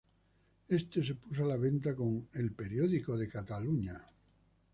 Éste se puso a la venta con El Periódico de Cataluña.